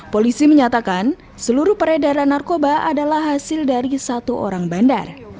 polisi menyatakan seluruh peredaran narkoba adalah hasil dari satu orang bandar